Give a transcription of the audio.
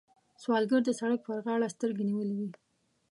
سوالګر د سړک پر غاړه سترګې نیولې وي